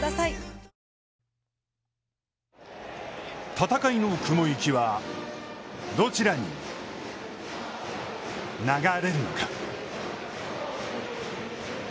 戦いの雲行きはどちらに流れるのか。